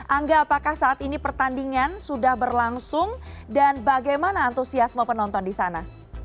angga apakah saat ini pertandingan sudah berlangsung dan bagaimana antusiasme penonton di sana